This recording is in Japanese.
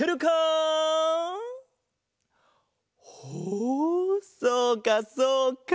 ほうそうかそうか。